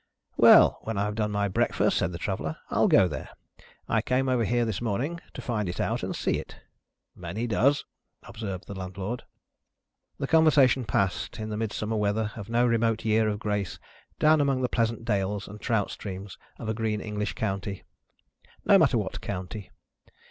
"Well! When I have done my breakfast," said the Traveller, "I'll go there. I came over here this morning, to find it out and see it." "Many does," observed the Landlord. The conversation passed, in the Midsummer weather of no remote year of grace, down among the pleasant dales and trout streams of a green English county. No matter what county.